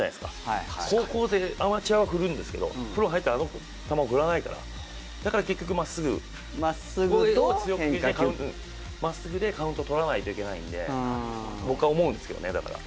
アマチュアは振っちゃうけどプロに入ったら球を振らないから、結局まっすぐを強くしてまっすぐでカウントとらないといけないんで僕は思うんですけどね、だから。